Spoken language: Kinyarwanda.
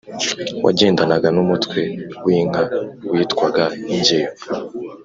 wagendanaga n'Umutwe w'Inka witwaga Ingeyo